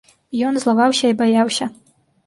Ён злаваўся і баяўся.